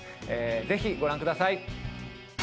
ぜひご覧ください。